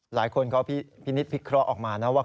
หลายคนเขาพินิษฐพิเคราะห์ออกมานะว่า